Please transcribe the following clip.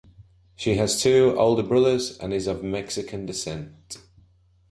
She has two older brothers and is of Mexican descent.